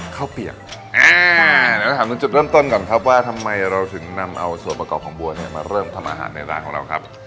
เปียกอ่าเดี๋ยวเราถามถึงจุดเริ่มต้นก่อนครับว่าทำไมเราถึงนำเอาส่วนประกอบของบัวเนี่ยมาเริ่มทำอาหารในร้านของเราครับ